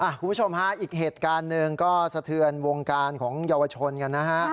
คุณผู้ชมฮะอีกเหตุการณ์หนึ่งก็สะเทือนวงการของเยาวชนกันนะฮะ